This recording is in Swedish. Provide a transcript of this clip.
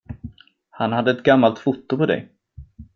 Han hade ett gammalt foto på dig.